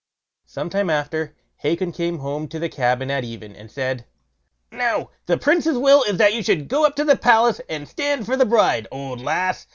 Sometime after, Hacon came home to the cabin at even and said: "Now, the Prince's will is, that you should go up to the palace and stand for the bride, old lass!